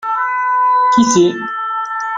Qui c'est ?